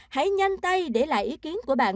hãy nhanh tay để lại ý kiến của bạn